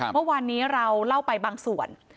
เมื่อวานนี้เราเล่าไปบางส่วน